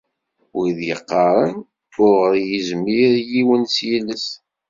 Wid yeqqaren: "Ur ɣ-izmir yiwen s yiles."